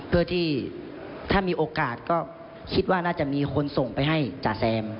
เพื่อที่ถ้ามีโอกาสก็คิดว่าน่าจะมีคนส่งไปให้จ๋าแซม